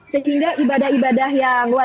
sehingga ibadah ibadahnya lebih baik